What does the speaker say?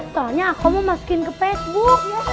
soalnya aku mau masukin ke facebook